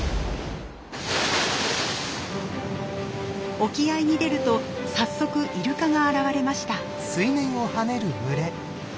沖合に出ると早速イルカが現れました。